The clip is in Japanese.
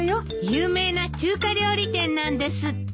有名な中華料理店なんですって。